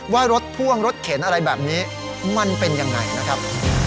ว่ารถพ่วงรถเข็นอะไรแบบนี้มันเป็นยังไงนะครับ